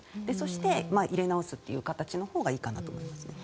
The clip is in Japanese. そして、入れ直すという形のほうがいいかなと思います。